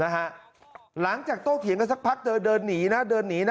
หลังจากโตเถียงกันสักพักเธอเดินหนีนะเดินหนีนะ